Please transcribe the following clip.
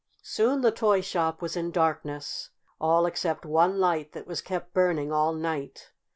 Soon the toy shop was in darkness, all except one light that was kept burning all night.